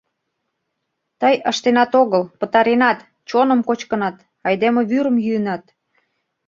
— Тый ыштенат огыл — пытаренат, чоным кочкынат, айдеме вӱрым йӱынат...